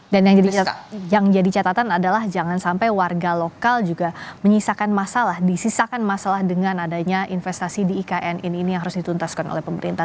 dan yang jadi catatan adalah jangan sampai warga lokal juga menyisakan masalah disisakan masalah dengan adanya investasi di ikn ini yang harus dituntaskan oleh pemerintah